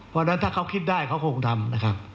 เพราะฉะนั้นถ้าเขาคิดได้เขาคงทำนะครับ